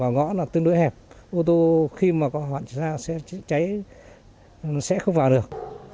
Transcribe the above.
ngõ là tương đối hẹp ô tô khi mà có hoạn ra sẽ cháy sẽ không vào được